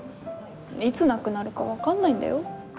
いつなくなるか分かんないんだよ？